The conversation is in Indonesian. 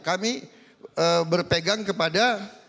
kami berpegang kepada